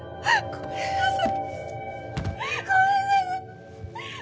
ごめんなさい！